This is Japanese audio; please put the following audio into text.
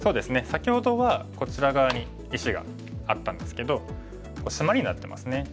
先ほどはこちら側に石があったんですけどシマリになってますね。